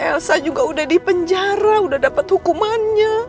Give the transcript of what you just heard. elsa juga udah di penjara udah dapat hukumannya